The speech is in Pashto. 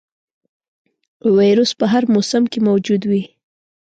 ویروس په هر موسم کې موجود وي.